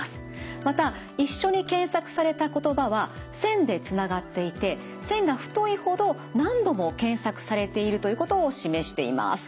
また一緒に検索された言葉は線でつながっていて線が太いほど何度も検索されているということを示しています。